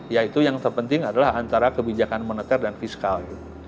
yaitu yang terpenting adalah antara kebijakan moneter dan fiskal